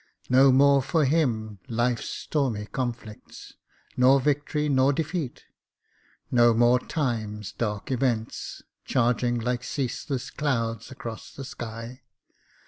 No more for him life's stormy conflicts, Nor victory, nor defeat no more time's dark events, Charging like ceaseless clouds across the sky.